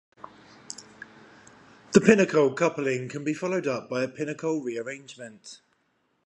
The pinacol coupling can be followed up by a pinacol rearrangement.